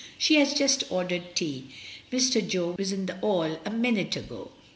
"She has just ordered tea. Mr. Jo was in the 'all a minute ago."